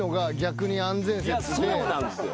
いやそうなんですよ。